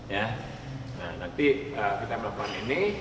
ya nah nanti kita melakukan ini